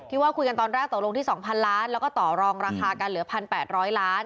ที่ว่าคุณกันตอนแรกต่อลงที่๒๐๐๐ล้านก็ต่อรองราคาการเหลือ๑๘๐๐ล้าน